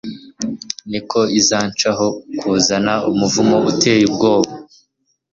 niko izanshaho kuzana umuvumo uteye ubwoba.